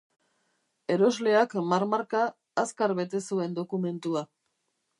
Erosleak marmarka, azkar bete zuen dokumentua.